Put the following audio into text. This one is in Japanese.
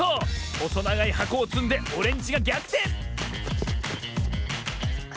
ほそながいはこをつんでオレンジがぎゃくてん！